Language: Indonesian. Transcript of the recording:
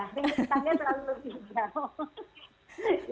rumput tetangga terlalu lebih jauh